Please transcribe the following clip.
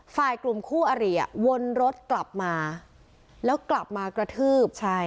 ฝ่ายกลุ่มคู่อริวนรถกลับมาแล้วกลับมากระทืบใช่